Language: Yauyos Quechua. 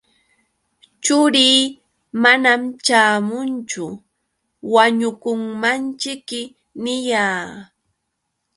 Churii manam ćhaamunchu, wañukunmanćhiki niyaa.